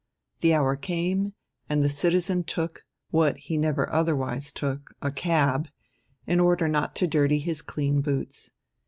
The hour came, and the citizen took, what he never otherwise took, a cab, in order not to dirty his clean boots.